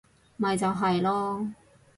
咪就係囉